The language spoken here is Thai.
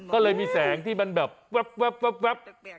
ก็เลยมีแสงที่มันแบบแว๊บแว๊บแว๊บ